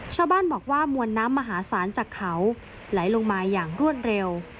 ชาวบ้านบอกว่ามวลน้ำมหาศาลจากเขาไหลลงมาอย่างรวดเร็ว